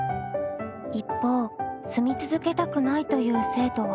一方住み続けたくないという生徒は？